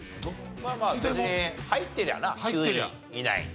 まあまあ別に入ってりゃな９位以内に。